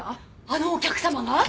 あのお客様が？